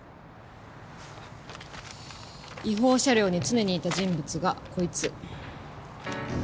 違法車両に常にいた人物がこいつ。